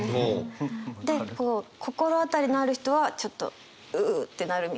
でこう心当たりのある人はちょっとううってなるみたい。